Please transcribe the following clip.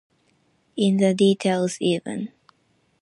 In the details even.